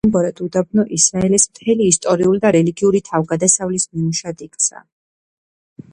ამგვარად, უდაბნო ისრაელის მთელი ისტორიული და რელიგიური თავგადასავლის ნიმუშად იქცევა.